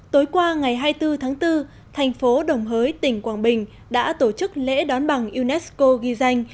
tối qua ngày hai mươi bốn tháng bốn thành phố đồng hới tỉnh quảng bình đã tổ chức lễ đón bằng unesco ghi danh